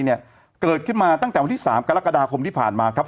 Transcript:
เนี่ยเกิดขึ้นมาตั้งแต่วันที่๓กรกฎาคมที่ผ่านมาครับ